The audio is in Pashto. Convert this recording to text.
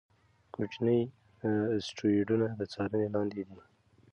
کوچني اسټروېډونه د څارنې لاندې دي.